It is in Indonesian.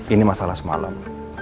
ini masalah semalam